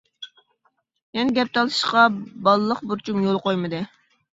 يەنە گەپ تالىشىشقا بالىلىق بۇرچۇم يول قويمىدى.